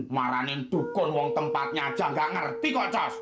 maranin dukun wong tempatnya aja gak ngerti kocos